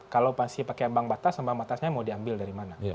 kalau pasti pakai ambang batas ambang batasnya mau diambil dari mana